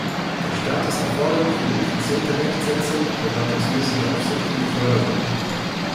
Der Staat ist erforderlich für die effiziente Rechtsetzung, verwaltungsmäßige Aufsicht und Förderung.